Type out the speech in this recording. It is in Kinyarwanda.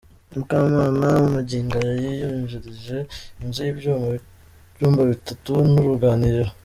Mukamana magingo aya yiyujurije inzu y’ibyumba bitatu n’uruganiriro.